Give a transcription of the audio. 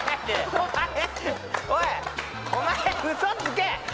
お前おいお前ウソつけ！